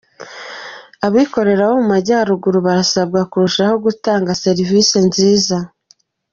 Abikorera bo mu Majyaruguru barasabwa kurushaho gutanga serivisi nziza